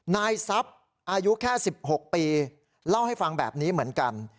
นายทรัพย์อายุแค่๑๖ปีเล่าให้ฟังแบบนี้เหมือนกัน